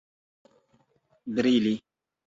brili